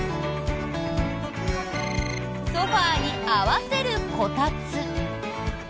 ソファに合わせるコタツ。